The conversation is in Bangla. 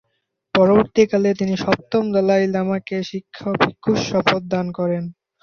পরবর্তীকালে তিনি সপ্তম দলাই লামাকে শিক্ষা ও ভিক্ষুর শপথ দান করেন।